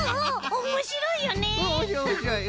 おもしろいよね！